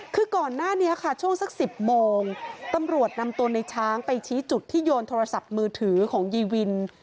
คือก่อนหน้านี้ค่ะช่วงสัก๑๐โมงตำรวจนำตัวในช้างไปชี้จุดที่โยนโทรศัพท์มือถือของยีวิน